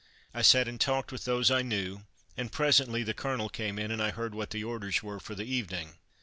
I sat and talked with those I knew, and presently the Colonel came in, and I heard what the orders were for the evening.